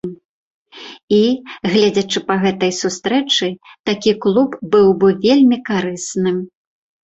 І, гледзячы па гэтай сустрэчы, такі клуб быў бы вельмі карысны.